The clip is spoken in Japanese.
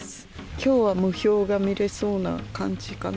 きょうは霧氷が見れそうな感じかな。